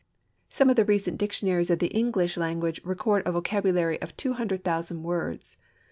Some of the recent dictionaries of the English language record a vocabulary of two hundred thousand words.